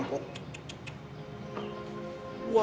ini orang dari blazer